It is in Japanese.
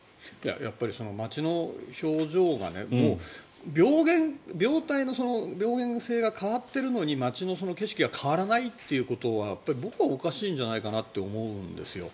やっぱり街の表情が病態の病原性が変わっているのに、街の景色が変わらないということは僕はおかしいんじゃないかなと思うんですよ。